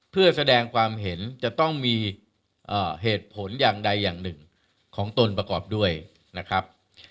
เพื่อแสดงความเห็นจะต้องมีเหตุผลอย่างใดอย่างหนึ่งของตนประกอบด้วยนะครับ